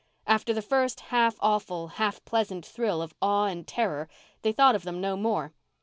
After the first half awful, half pleasant thrill of awe and terror they thought of them no more.